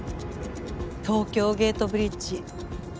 東京ゲートブリッジ。